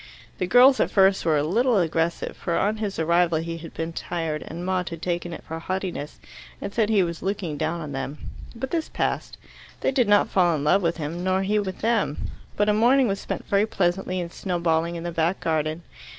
The girls at first were a little aggressive, for on his arrival he had been tired, and Maud had taken it for haughtiness, and said he was looking down on them. But this passed. They did not fall in love with him, nor he with them, but a morning was spent very pleasantly in snow balling in the back garden.